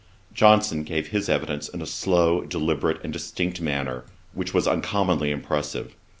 Johnson gave his evidence in a slow, deliberate, and distinct manner, which was uncommonly impressive.